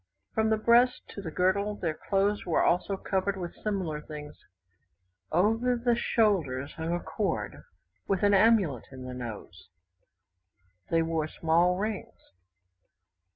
From the breast to the girdle their clothes were also covered with similar things, over the shoulders hung a cord with an amulet in the nose, they wore small rings.